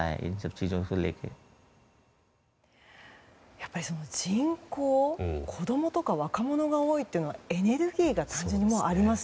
やっぱり人口子供とか若者が多いというのはエネルギーが単純にあります。